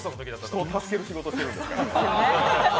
人を助ける仕事してるんですから。